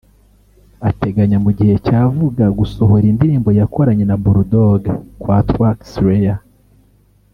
ateganya mu gihe cya vuga gusohora indirimbo yakoranye na Bull Dogg kwa Trackslayer